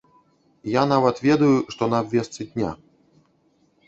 Я нават ведаю, што на абвестцы дня.